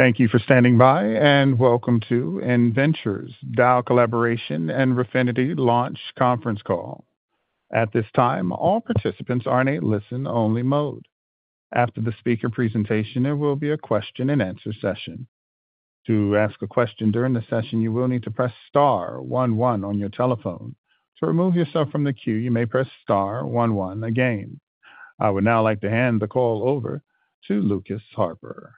Thank you for standing by, and welcome to Innventure's Dow collaboration and Refinity Launch Conference Call. At this time, all participants are in a listen-only mode. After the speaker presentation, there will be a question-and-answer session. To ask a question during the session, you will need to press Star 1-1 on your telephone. To remove yourself from the queue, you may press Star 1-1 again. I would now like to hand the call over to Lucas Harper.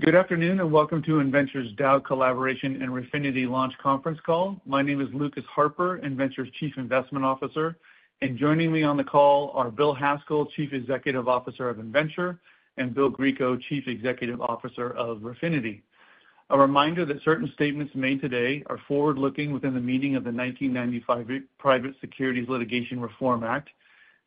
Good afternoon, and welcome to Innventure's Dow Collaboration and Refinity Launch Conference Call. My name is Lucas Harper, Innventure's Chief Investment Officer, and joining me on the call are Bill Haskell, Chief Executive Officer of Innventure, and Bill Grieco, Chief Executive Officer of Refinity. A reminder that certain statements made today are forward-looking within the meaning of the 1995 Private Securities Litigation Reform Act.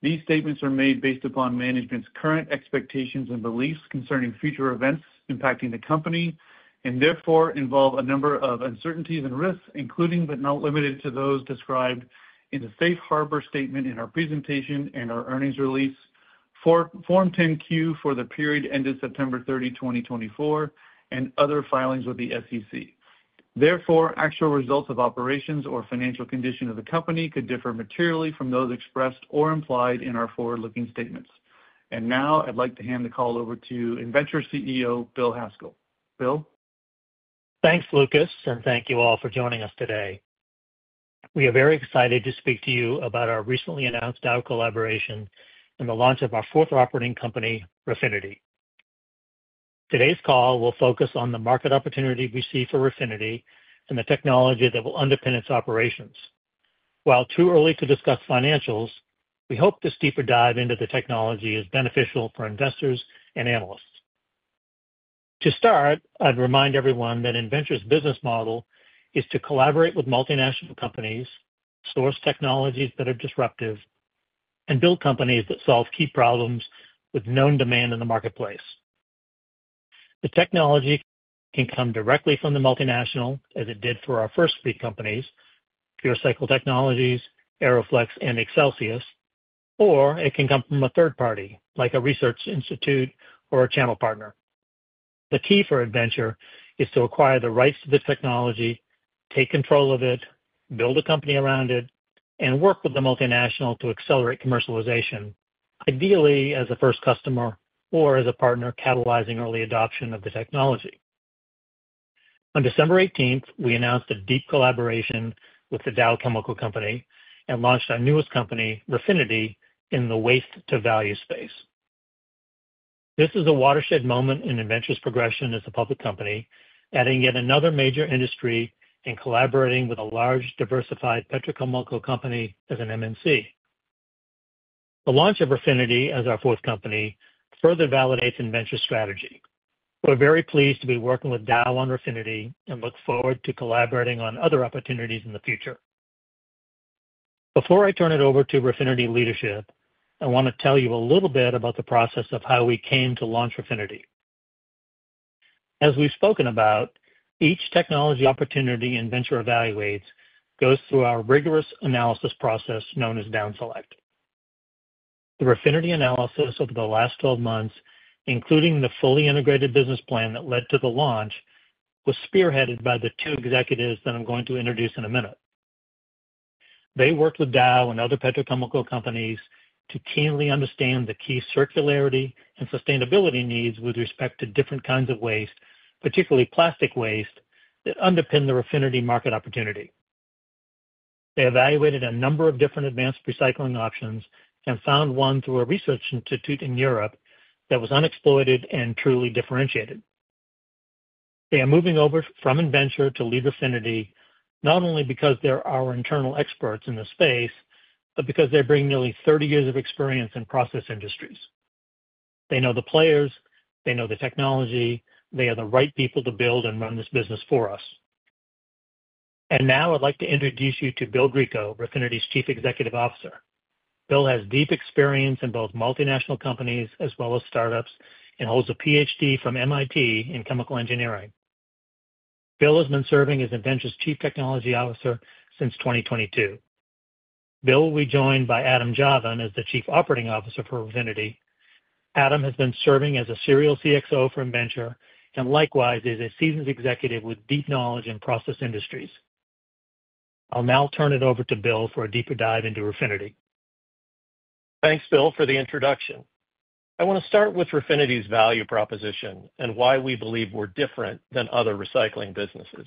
These statements are made based upon management's current expectations and beliefs concerning future events impacting the company, and therefore involve a number of uncertainties and risks, including but not limited to those described in the safe harbor statement in our presentation and our earnings release, Form 10-Q for the period ended September 30, 2024, and other filings with the SEC. Therefore, actual results of operations or financial condition of the company could differ materially from those expressed or implied in our forward-looking statements. Now, I'd like to hand the call over to Innventure CEO Bill Haskell. Bill. Thanks, Lucas, and thank you all for joining us today. We are very excited to speak to you about our recently announced Dow Collaboration and the launch of our fourth operating company, Refinity. Today's call will focus on the market opportunity we see for Refinity and the technology that will underpin its operations. While too early to discuss financials, we hope this deeper dive into the technology is beneficial for investors and analysts. To start, I'd remind everyone that Innventure's business model is to collaborate with multinational companies, source technologies that are disruptive, and build companies that solve key problems with known demand in the marketplace. The technology can come directly from the multinational, as it did for our first three companies, PureCycle Technologies, AeroFlexx, and Accelsius, or it can come from a third party like a research institute or a channel partner. The key for Innventure is to acquire the rights to the technology, take control of it, build a company around it, and work with the multinational to accelerate commercialization, ideally as a first customer or as a partner catalyzing early adoption of the technology. On December 18th, we announced a deep collaboration with Dow and launched our newest company, Refinity, in the waste-to-value space. This is a watershed moment in Innventure's progression as a public company, adding yet another major industry and collaborating with a large, diversified petrochemical company as an MNC. The launch of Refinity as our fourth company further validates Innventure's strategy. We're very pleased to be working with Dow on Refinity and look forward to collaborating on other opportunities in the future. Before I turn it over to Refinity leadership, I want to tell you a little bit about the process of how we came to launch Refinity. As we've spoken about, each technology opportunity Innventure evaluates goes through our rigorous analysis process known as DownSelect. The Refinity analysis over the last 12 months, including the fully integrated business plan that led to the launch, was spearheaded by the two executives that I'm going to introduce in a minute. They worked with Dow and other petrochemical companies to keenly understand the key circularity and sustainability needs with respect to different kinds of waste, particularly plastic waste, that underpin the Refinity market opportunity. They evaluated a number of different advanced recycling options and found one through a research institute in Europe that was unexploited and truly differentiated. They are moving over from Innventure to lead Refinity not only because they're our internal experts in the space, but because they bring nearly 30 years of experience in process industries. They know the players. They know the technology. They are the right people to build and run this business for us. And now, I'd like to introduce you to Bill Grieco, Refinity's Chief Executive Officer. Bill has deep experience in both multinational companies as well as startups and holds a PhD from MIT in chemical engineering. Bill has been serving as Innventure's Chief Technology Officer since 2022. Bill will be joined by Adam Javan as the Chief Operating Officer for Refinity. Adam has been serving as a serial CXO for Innventure and likewise is a seasoned executive with deep knowledge in process industries. I'll now turn it over to Bill for a deeper dive into Refinity. Thanks, Bill, for the introduction. I want to start with Refinity's value proposition and why we believe we're different than other recycling businesses.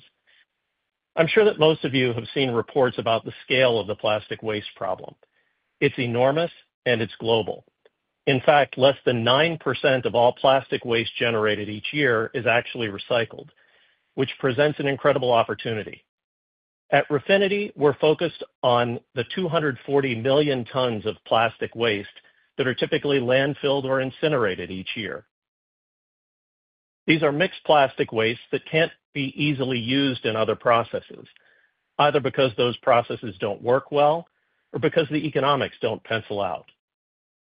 I'm sure that most of you have seen reports about the scale of the plastic waste problem. It's enormous, and it's global. In fact, less than 9% of all plastic waste generated each year is actually recycled, which presents an incredible opportunity. At Refinity, we're focused on the 240 million tons of plastic waste that are typically landfilled or incinerated each year. These are mixed plastic wastes that can't be easily used in other processes, either because those processes don't work well or because the economics don't pencil out.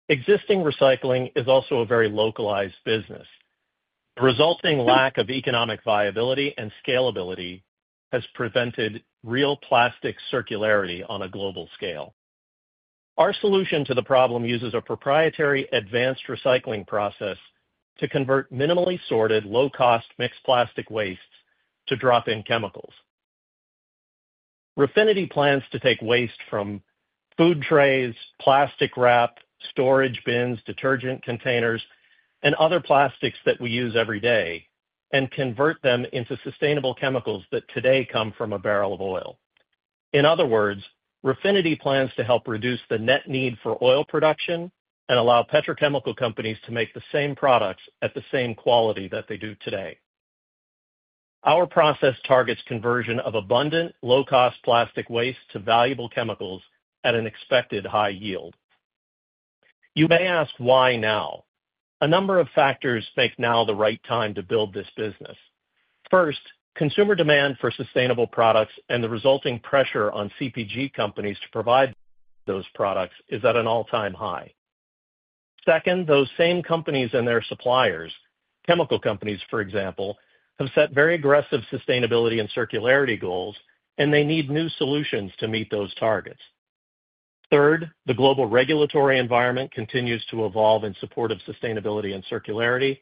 Existing recycling is also a very localized business. The resulting lack of economic viability and scalability has prevented real plastic circularity on a global scale. Our solution to the problem uses a proprietary advanced recycling process to convert minimally sorted, low-cost mixed plastic wastes to drop-in chemicals. Refinity plans to take waste from food trays, plastic wrap, storage bins, detergent containers, and other plastics that we use every day and convert them into sustainable chemicals that today come from a barrel of oil. In other words, Refinity plans to help reduce the net need for oil production and allow petrochemical companies to make the same products at the same quality that they do today. Our process targets conversion of abundant, low-cost plastic waste to valuable chemicals at an expected high yield. You may ask why now. A number of factors make now the right time to build this business. First, consumer demand for sustainable products and the resulting pressure on CPG companies to provide those products is at an all-time high. Second, those same companies and their suppliers, chemical companies, for example, have set very aggressive sustainability and circularity goals, and they need new solutions to meet those targets. Third, the global regulatory environment continues to evolve in support of sustainability and circularity.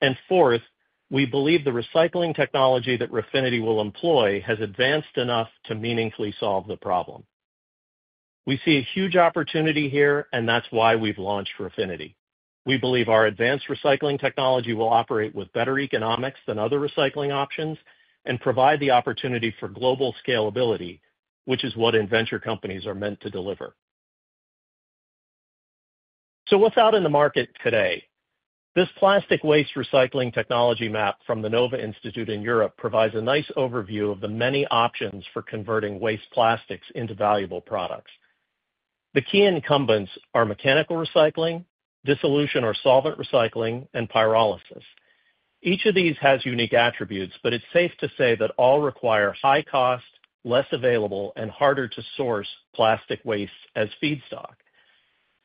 And fourth, we believe the recycling technology that Refinity will employ has advanced enough to meaningfully solve the problem. We see a huge opportunity here, and that's why we've launched Refinity. We believe our advanced recycling technology will operate with better economics than other recycling options and provide the opportunity for global scalability, which is what Innventure companies are meant to deliver. So what's out in the market today? This plastic waste recycling technology map from the nova-Institute in Europe provides a nice overview of the many options for converting waste plastics into valuable products. The key incumbents are mechanical recycling, dissolution or solvent recycling, and pyrolysis. Each of these has unique attributes, but it's safe to say that all require high cost, less available, and harder to source plastic wastes as feedstock.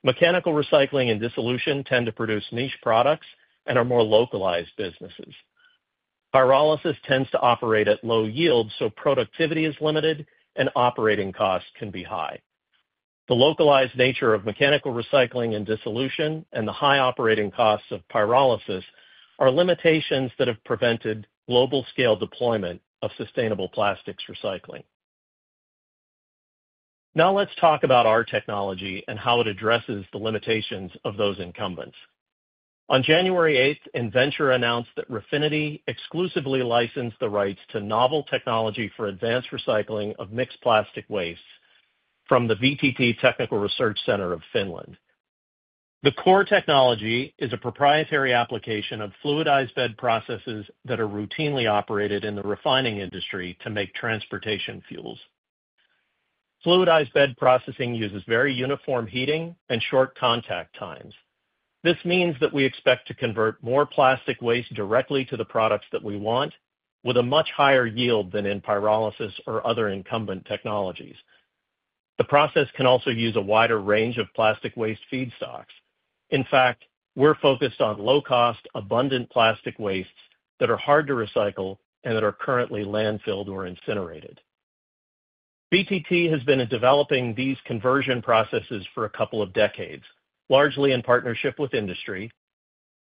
Mechanical recycling and dissolution tend to produce niche products and are more localized businesses. Pyrolysis tends to operate at low yields, so productivity is limited, and operating costs can be high. The localized nature of mechanical recycling and dissolution and the high operating costs of pyrolysis are limitations that have prevented global-scale deployment of sustainable plastics recycling. Now let's talk about our technology and how it addresses the limitations of those incumbents. On January 8th, Innventure announced that Refinity exclusively licensed the rights to novel technology for advanced recycling of mixed plastic wastes from the VTT Technical Research Centre of Finland. The core technology is a proprietary application of fluidized bed processes that are routinely operated in the refining industry to make transportation fuels. Fluidized bed processing uses very uniform heating and short contact times. This means that we expect to convert more plastic waste directly to the products that we want with a much higher yield than in pyrolysis or other incumbent technologies. The process can also use a wider range of plastic waste feedstocks. In fact, we're focused on low-cost, abundant plastic wastes that are hard to recycle and that are currently landfilled or incinerated. VTT has been developing these conversion processes for a couple of decades, largely in partnership with industry,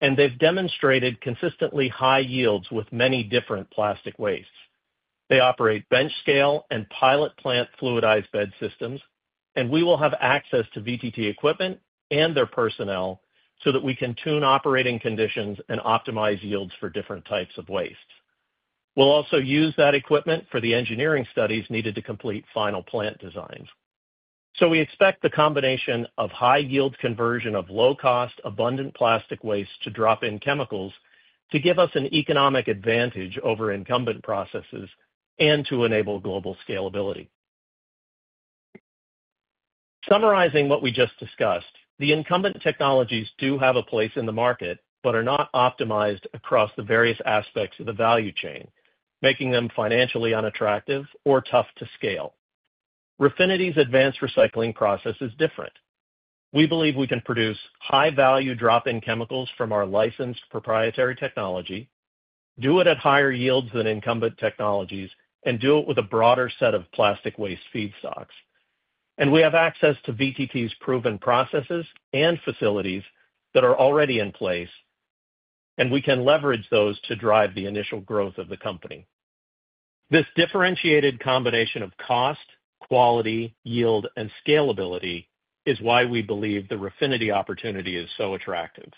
and they've demonstrated consistently high yields with many different plastic wastes. They operate bench-scale and pilot-plant fluidized bed systems, and we will have access to VTT equipment and their personnel so that we can tune operating conditions and optimize yields for different types of wastes. We'll also use that equipment for the engineering studies needed to complete final plant designs. So we expect the combination of high-yield conversion of low-cost, abundant plastic wastes to drop-in chemicals to give us an economic advantage over incumbent processes and to enable global scalability. Summarizing what we just discussed, the incumbent technologies do have a place in the market but are not optimized across the various aspects of the value chain, making them financially unattractive or tough to scale. Refinity's advanced recycling process is different. We believe we can produce high-value drop-in chemicals from our licensed proprietary technology, do it at higher yields than incumbent technologies, and do it with a broader set of plastic waste feedstocks. And we have access to VTT's proven processes and facilities that are already in place, and we can leverage those to drive the initial growth of the company. This differentiated combination of cost, quality, yield, and scalability is why we believe the Refinity opportunity is so attractive.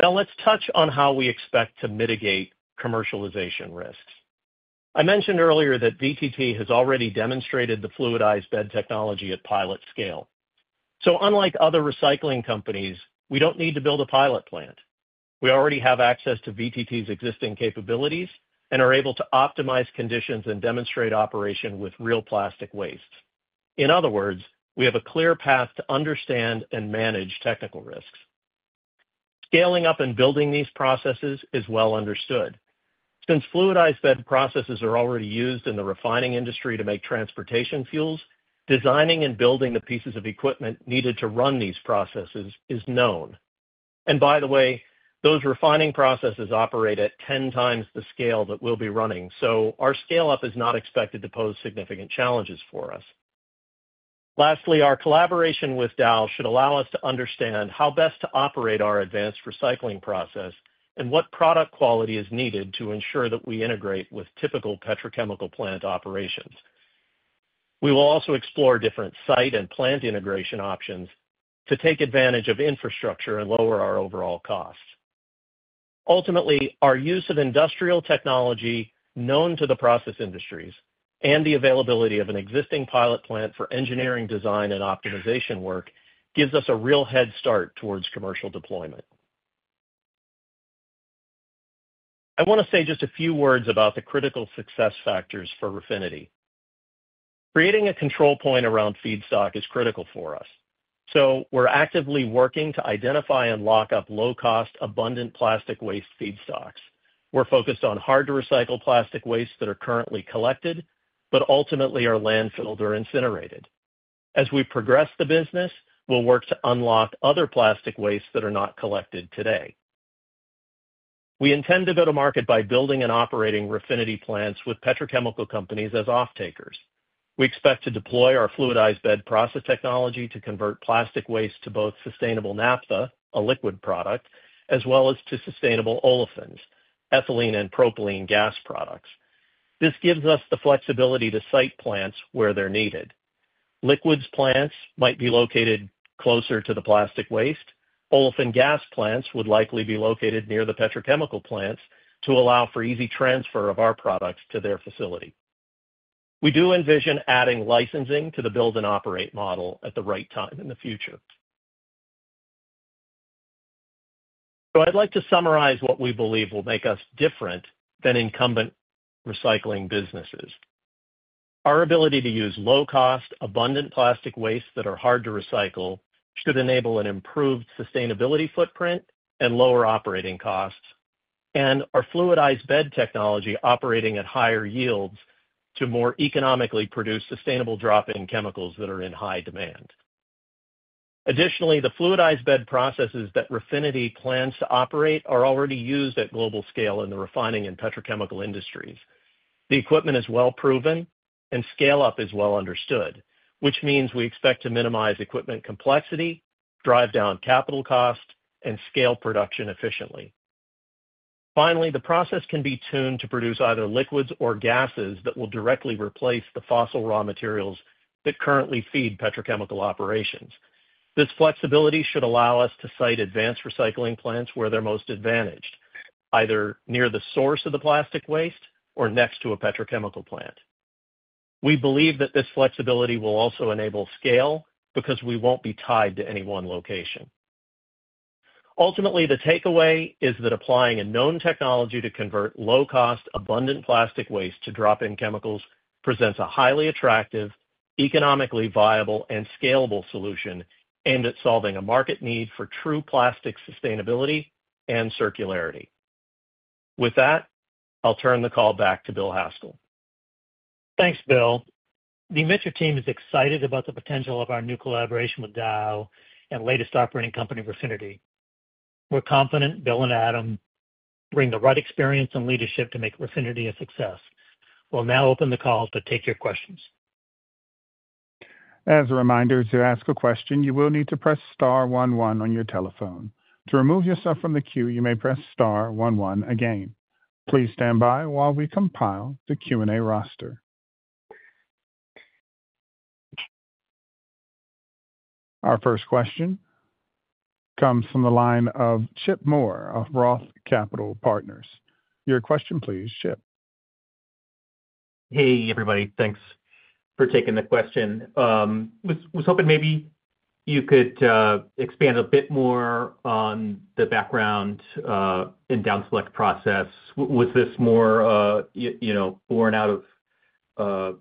Now let's touch on how we expect to mitigate commercialization risks. I mentioned earlier that VTT has already demonstrated the fluidized bed technology at pilot scale. So unlike other recycling companies, we don't need to build a pilot plant. We already have access to VTT's existing capabilities and are able to optimize conditions and demonstrate operation with real plastic wastes. In other words, we have a clear path to understand and manage technical risks. Scaling up and building these processes is well understood. Since fluidized bed processes are already used in the refining industry to make transportation fuels, designing and building the pieces of equipment needed to run these processes is known. And by the way, those refining processes operate at 10 times the scale that we'll be running, so our scale-up is not expected to pose significant challenges for us. Lastly, our collaboration with Dow should allow us to understand how best to operate our advanced recycling process and what product quality is needed to ensure that we integrate with typical petrochemical plant operations. We will also explore different site and plant integration options to take advantage of infrastructure and lower our overall costs. Ultimately, our use of industrial technology known to the process industries and the availability of an existing pilot plant for engineering design and optimization work gives us a real head start towards commercial deployment. I want to say just a few words about the critical success factors for Refinity. Creating a control point around feedstock is critical for us. So we're actively working to identify and lock up low-cost, abundant plastic waste feedstocks. We're focused on hard-to-recycle plastic wastes that are currently collected but ultimately are landfilled or incinerated. As we progress the business, we'll work to unlock other plastic wastes that are not collected today. We intend to go to market by building and operating Refinity plants with petrochemical companies as off-takers. We expect to deploy our fluidized bed process technology to convert plastic waste to both sustainable naphtha, a liquid product, as well as to sustainable olefins, ethylene, and propylene gas products. This gives us the flexibility to site plants where they're needed. Liquids plants might be located closer to the plastic waste. Olefin gas plants would likely be located near the petrochemical plants to allow for easy transfer of our products to their facility. We do envision adding licensing to the build-and-operate model at the right time in the future. So I'd like to summarize what we believe will make us different than incumbent recycling businesses. Our ability to use low-cost, abundant plastic wastes that are hard to recycle should enable an improved sustainability footprint and lower operating costs and our fluidized bed technology operating at higher yields to more economically produce sustainable drop-in chemicals that are in high demand. Additionally, the fluidized bed processes that Refinity plans to operate are already used at global scale in the refining and petrochemical industries. The equipment is well proven, and scale-up is well understood, which means we expect to minimize equipment complexity, drive down capital costs, and scale production efficiently. Finally, the process can be tuned to produce either liquids or gases that will directly replace the fossil raw materials that currently feed petrochemical operations. This flexibility should allow us to site advanced recycling plants where they're most advantaged, either near the source of the plastic waste or next to a petrochemical plant. We believe that this flexibility will also enable scale because we won't be tied to any one location. Ultimately, the takeaway is that applying a known technology to convert low-cost, abundant plastic waste to drop-in chemicals presents a highly attractive, economically viable, and scalable solution aimed at solving a market need for true plastic sustainability and circularity. With that, I'll turn the call back to Bill Haskell. Thanks, Bill. The Innventure team is excited about the potential of our new collaboration with Dow and latest operating company, Refinity. We're confident Bill and Adam bring the right experience and leadership to make Refinity a success. We'll now open the call to take your questions. As a reminder, to ask a question, you will need to press Star 1-1 on your telephone. To remove yourself from the queue, you may press Star 1-1 again. Please stand by while we compile the Q&A roster. Our first question comes from the line of Chip Moore of Roth Capital Partners. Your question, please, Chip. Hey, everybody. Thanks for taking the question. Was hoping maybe you could expand a bit more on the background in DownSelect process. Was this more borne out of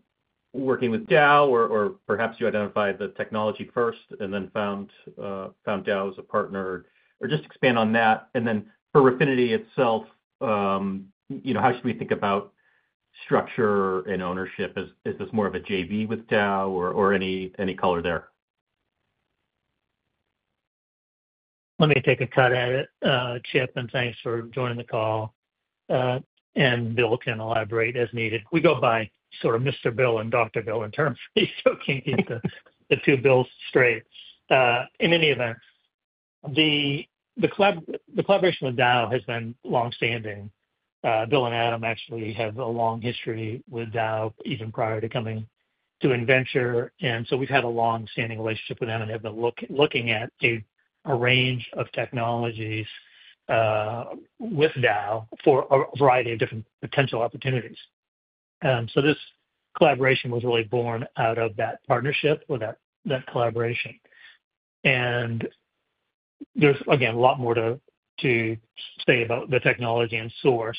working with Dow, or perhaps you identified the technology first and then found Dow as a partner, or just expand on that? And then for Refinity itself, how should we think about structure and ownership? Is this more of a JV with Dow or any color there? Let me take a cut at it, Chip, and thanks for joining the call. And Bill can elaborate as needed. We go by sort of Mr. Bill and Dr. Bill in terms of these so we can't get the two Bills straight. In any event, the collaboration with Dow has been longstanding. Bill and Adam actually have a long history with Dow even prior to coming to Innventure. And so we've had a longstanding relationship with them and have been looking at a range of technologies with Dow for a variety of different potential opportunities. So this collaboration was really born out of that partnership or that collaboration. And there's, again, a lot more to say about the technology and source.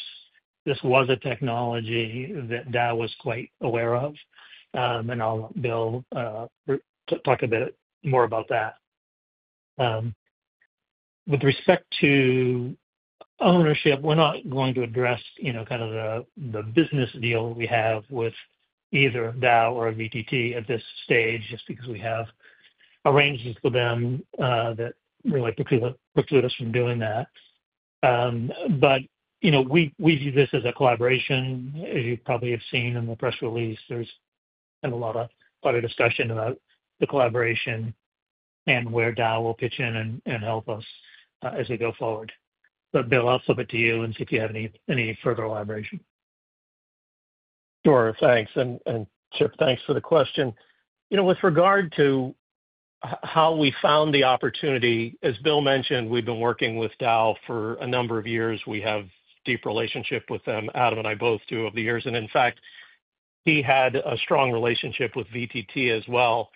This was a technology that Dow was quite aware of, and I'll let Bill talk a bit more about that. With respect to ownership, we're not going to address kind of the business deal we have with either Dow or VTT at this stage just because we have arrangements with them that really preclude us from doing that. But we view this as a collaboration. As you probably have seen in the press release, there's been a lot of discussion about the collaboration and where Dow will pitch in and help us as we go forward. But Bill, I'll flip it to you and see if you have any further elaboration. Sure. Thanks. And Chip, thanks for the question. With regard to how we found the opportunity, as Bill mentioned, we've been working with Dow for a number of years. We have a deep relationship with them. Adam and I both do over the years. And in fact, he had a strong relationship with VTT as well.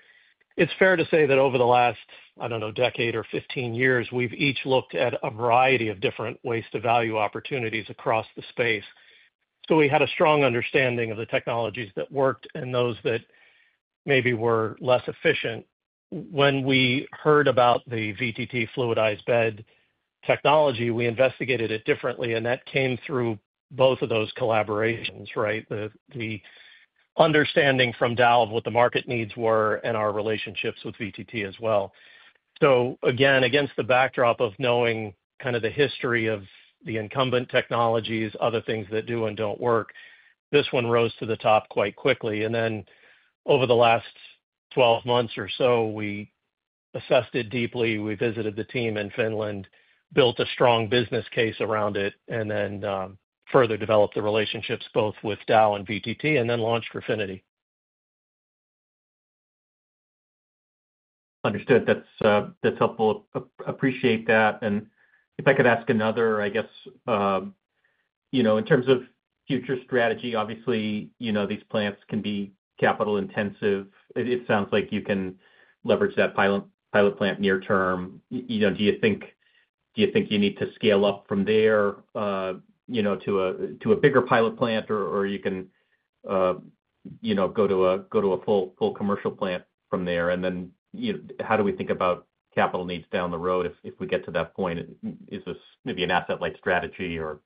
It's fair to say that over the last, I don't know, decade or 15 years, we've each looked at a variety of different waste-to-value opportunities across the space. So we had a strong understanding of the technologies that worked and those that maybe were less efficient. When we heard about the VTT fluidized bed technology, we investigated it differently, and that came through both of those collaborations, right? The understanding from Dow of what the market needs were and our relationships with VTT as well, so again, against the backdrop of knowing kind of the history of the incumbent technologies, other things that do and don't work, this one rose to the top quite quickly, and then over the last 12 months or so, we assessed it deeply. We visited the team in Finland, built a strong business case around it, and then further developed the relationships both with Dow and VTT, and then launched Refinity. Understood. That's helpful. Appreciate that, and if I could ask another, I guess, in terms of future strategy, obviously, these plants can be capital-intensive. It sounds like you can leverage that pilot plant near term. Do you think you need to scale up from there to a bigger pilot plant, or you can go to a full commercial plant from there? And then how do we think about capital needs down the road if we get to that point? Is this maybe an asset-like strategy or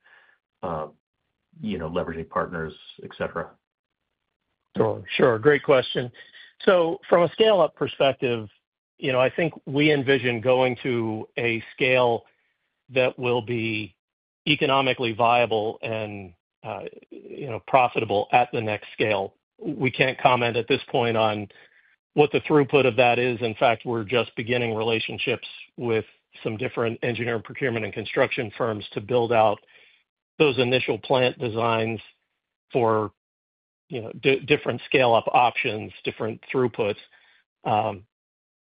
leveraging partners, etc.? Sure. Sure. Great question. So from a scale-up perspective, I think we envision going to a scale that will be economically viable and profitable at the next scale. We can't comment at this point on what the throughput of that is. In fact, we're just beginning relationships with some different engineering procurement and construction firms to build out those initial plant designs for different scale-up options, different throughputs.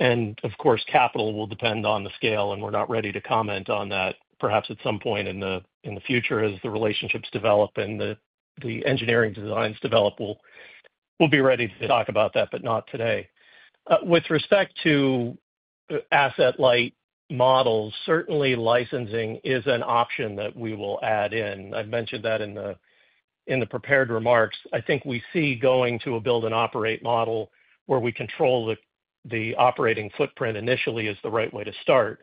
And of course, capital will depend on the scale, and we're not ready to comment on that. Perhaps at some point in the future, as the relationships develop and the engineering designs develop, we'll be ready to talk about that, but not today. With respect to asset-like models, certainly licensing is an option that we will add in. I've mentioned that in the prepared remarks. I think we see going to a build-and-operate model where we control the operating footprint initially is the right way to start.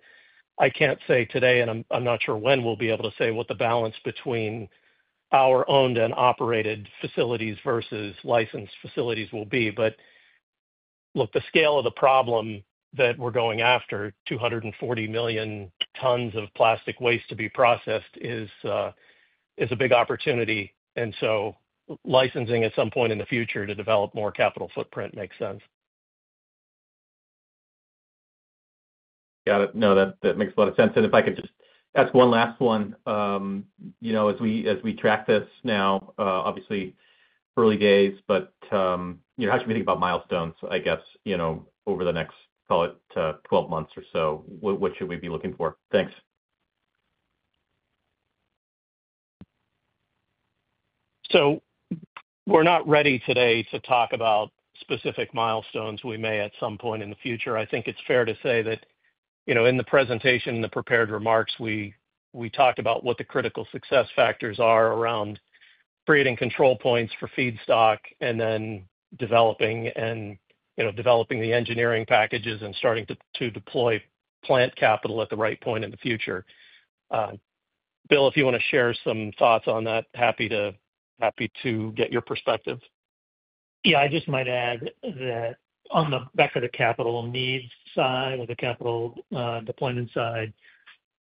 I can't say today, and I'm not sure when we'll be able to say what the balance between our owned and operated facilities versus licensed facilities will be. But look, the scale of the problem that we're going after, 240 million tons of plastic waste to be processed, is a big opportunity. And so licensing at some point in the future to develop more capital footprint makes sense. Got it. No, that makes a lot of sense. And if I could just ask one last one, as we track this now, obviously, early days, but how should we think about milestones, I guess, over the next, call it, 12 months or so? What should we be looking for? Thanks. So we're not ready today to talk about specific milestones. We may at some point in the future. I think it's fair to say that in the presentation, in the prepared remarks, we talked about what the critical success factors are around creating control points for feedstock and then developing the engineering packages and starting to deploy plant capital at the right point in the future. Bill, if you want to share some thoughts on that, happy to get your perspective. Yeah. I just might add that on the back of the capital needs side or the capital deployment side,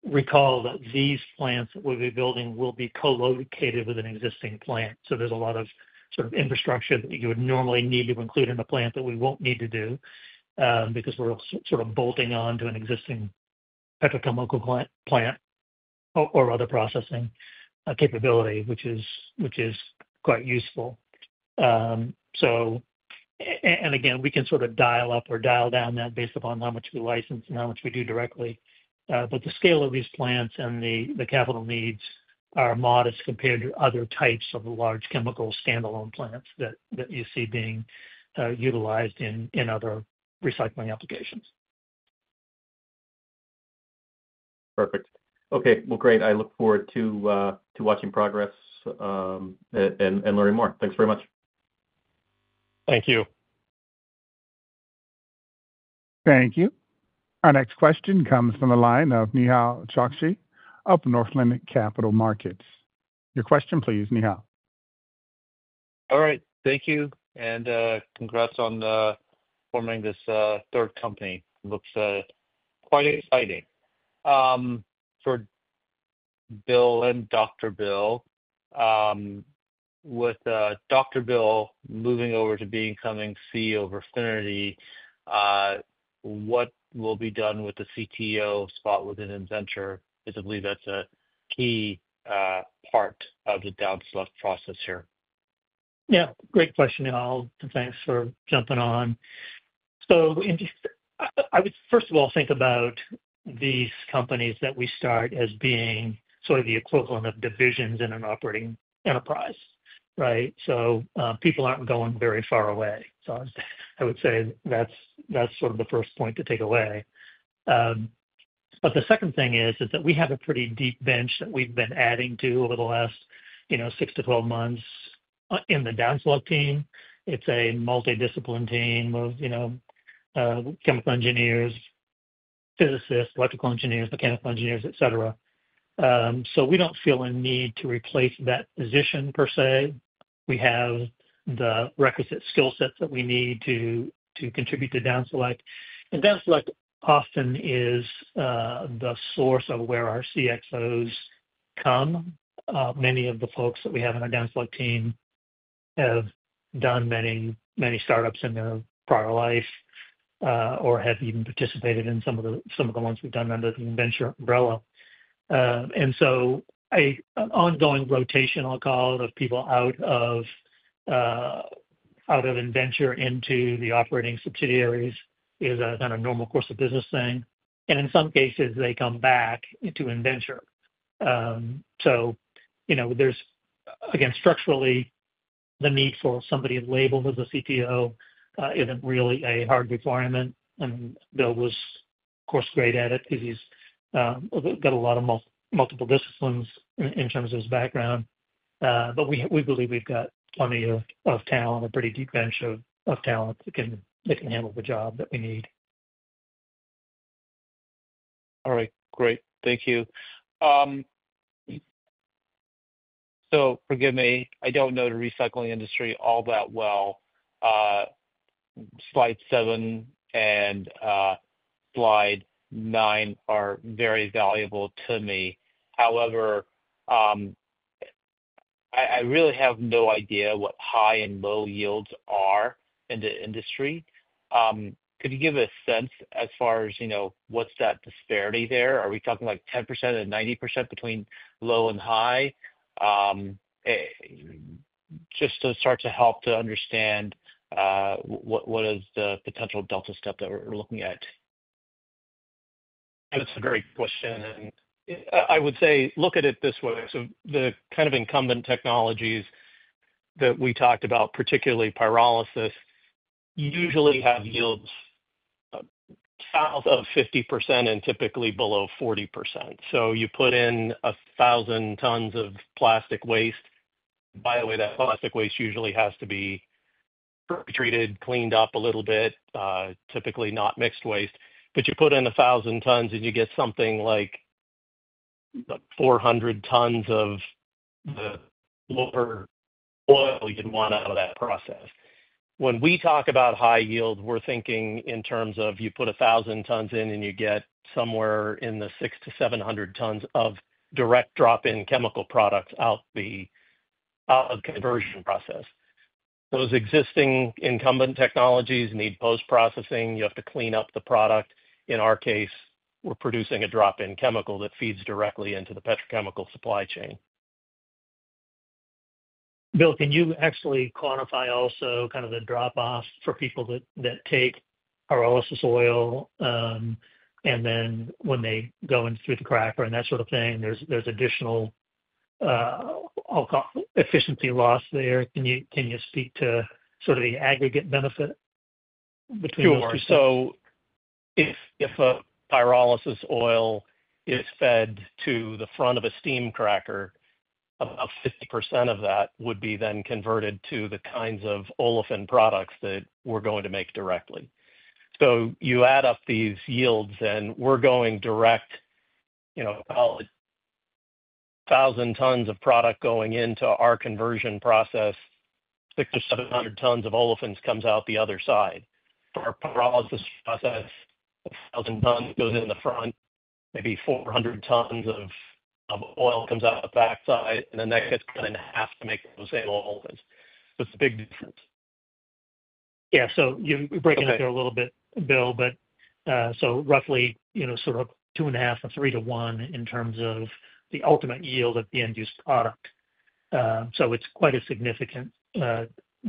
recall that these plants that we'll be building will be co-located with an existing plant. So there's a lot of sort of infrastructure that you would normally need to include in a plant that we won't need to do because we're sort of bolting on to an existing petrochemical plant or other processing capability, which is quite useful. And again, we can sort of dial up or dial down that based upon how much we license and how much we do directly. But the scale of these plants and the capital needs are modest compared to other types of large chemical standalone plants that you see being utilized in other recycling applications. Perfect. Okay. Well, great. I look forward to watching progress and learning more. Thanks very much. Thank you. Thank you. Our next question comes from the line of Nehal Chokshi, of Northland Capital Markets. Your question, please, Nehal. All right. Thank you. And congrats on forming this third company. Looks quite exciting. For Bill and Dr. Bill, with Dr. Bill moving over to becoming CEO of Refinity, what will be done with the CTO spot within Innventure? I believe that's a key part of the DownSelect process here. Yeah. Great question, and thanks for jumping on. So I would, first of all, think about these companies that we start as being sort of the equivalent of divisions in an operating enterprise, right? So I would say that's sort of the first point to take away. But the second thing is that we have a pretty deep bench that we've been adding to over the last six to 12 months in the DownSelect team. It's a multidisciplinary team of chemical engineers, physicists, electrical engineers, mechanical engineers, etc. So we don't feel a need to replace that position per se. We have the requisite skill sets that we need to contribute to DownSelect. And DownSelect often is the source of where our CXOs come. Many of the folks that we have in our DownSelect team have done many startups in their prior life or have even participated in some of the ones we've done under the Innventure umbrella. And so an ongoing rotation, I'll call it, of people out of Innventure into the operating subsidiaries is kind of a normal course of business thing. And in some cases, they come back to Innventure. So there's, again, structurally, the need for somebody labeled as a CTO isn't really a hard requirement. And Bill was, of course, great at it because he's got a lot of multiple disciplines in terms of his background. But we believe we've got plenty of talent, a pretty deep bench of talent that can handle the job that we need. All right. Great. Thank you. So forgive me. I don't know the recycling industry all that well. Slide 7 and slide 9 are very valuable to me. However, I really have no idea what high and low yields are in the industry. Could you give a sense as far as what's the disparity there? Are we talking like 10% and 90% between low and high? Just to start to help to understand what is the potential delta step that we're looking at. That's a great question. I would say look at it this way. The kind of incumbent technologies that we talked about, particularly pyrolysis, usually have yields south of 50% and typically below 40%. You put in 1,000 tons of plastic waste. By the way, that plastic waste usually has to be treated, cleaned up a little bit, typically not mixed waste. But you put in 1,000 tons and you get something like 400 tons of the lower oil you'd want out of that process. When we talk about high yield, we're thinking in terms of you put 1,000 tons in and you get somewhere in the 6 to 700 tons of direct drop-in chemical products out of the conversion process. Those existing incumbent technologies need post-processing. You have to clean up the product. In our case, we're producing a drop-in chemical that feeds directly into the petrochemical supply chain. Bill, can you actually quantify also kind of the drop-off for people that take pyrolysis oil and then when they go in through the cracker and that sort of thing? There's additional efficiency loss there. Can you speak to sort of the aggregate benefit between those two? Sure. So if a pyrolysis oil is fed to the front of a steam cracker, about 50% of that would be then converted to the kinds of olefin products that we're going to make directly. So you add up these yields and we're going direct, call it 1,000 tons of product going into our conversion process, 600-700 tons of olefins comes out the other side. For our pyrolysis process, 1,000 tons goes in the front, maybe 400 tons of oil comes out the back side, and then that gets done in half to make those same olefins. So it's a big difference. Yeah. So you're breaking up there a little bit, Bill, but so roughly sort of two and a half to three to one in terms of the ultimate yield of the end-use product. So it's quite a significant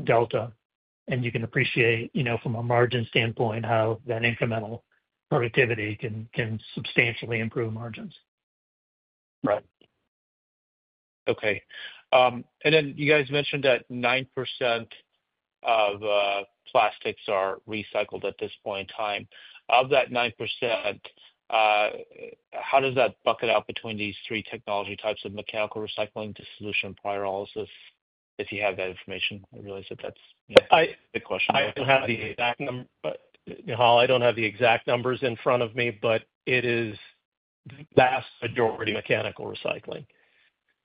delta, and you can appreciate from a margin standpoint how that incremental productivity can substantially improve margins. Right. Okay. And then you guys mentioned that 9% of plastics are recycled at this point in time. Of that 9%, how does that bucket out between these three technology types of mechanical recycling, dissolution, pyrolysis? If you have that information, I realize that that's a big question. I don't have the exact number, but Nehal, I don't have the exact numbers in front of me, but it is the vast majority mechanical recycling.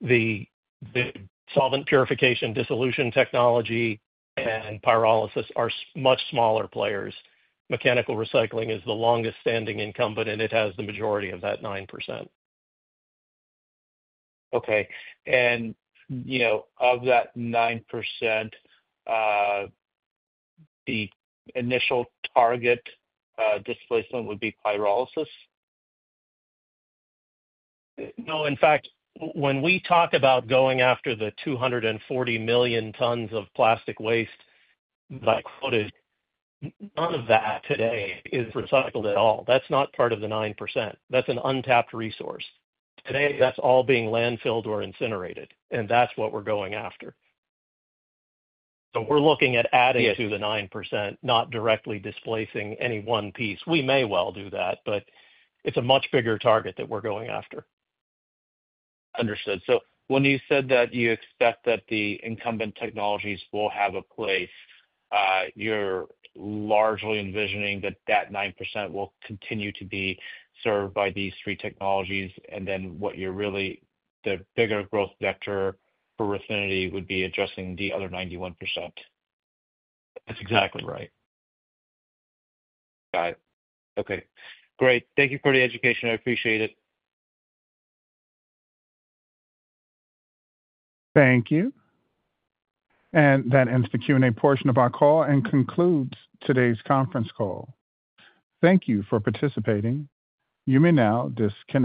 The solvent purification, dissolution technology, and pyrolysis are much smaller players. Mechanical recycling is the longest-standing incumbent, and it has the majority of that 9%. Okay. And of that 9%, the initial target displacement would be pyrolysis? No. In fact, when we talk about going after the 240 million tons of plastic waste by quota, none of that today is recycled at all. That's not part of the 9%. That's an untapped resource. Today, that's all being landfilled or incinerated, and that's what we're going after. So we're looking at adding to the 9%, not directly displacing any one piece. We may well do that, but it's a much bigger target that we're going after. Understood. So when you said that you expect that the incumbent technologies will have a place, you're largely envisioning that that 9% will continue to be served by these three technologies. And then what you're really the bigger growth vector for Refinity would be addressing the other 91%. That's exactly right. Got it. Okay. Great. Thank you for the education. I appreciate it. Thank you. And that ends the Q&A portion of our call and concludes today's conference call. Thank you for participating. You may now disconnect.